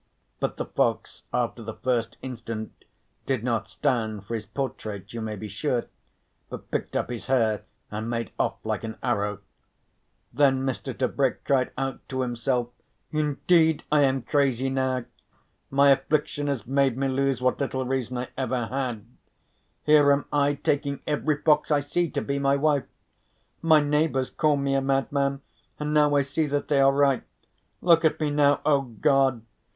But the fox after the first instant did not stand for his portrait you may be sure, but picked up his hare and made off like an arrow. Then Mr. Tebrick cried out to himself: "Indeed I am crazy now! My affliction has made me lose what little reason I ever had. Here am I taking every fox I see to be my wife! My neighbours call me a madman and now I see that they are right. Look at me now, oh God!